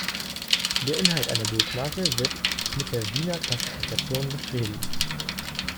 Der Inhalt einer Bildmarke wird mit der Wiener Klassifikation beschrieben.